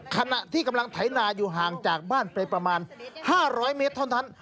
ขณะที่กำลังไถนาอยู่ห่างจากบ้านไปประมาณ๕๐๐เมตรเท่านั้น